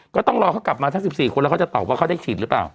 ก็ต้องรอเขากลับมาทั้ง๑๔คนแล้วเขาจะตอบว่าเขาได้ฉีดหรือเปล่า